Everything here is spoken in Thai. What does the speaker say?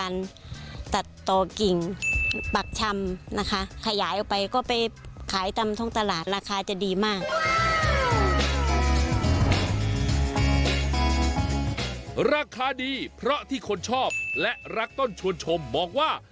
ราคาดีเพราะที่คนชอบและรักต้นชวนชมบอกว่า